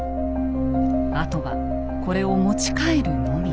あとはこれを持ち帰るのみ。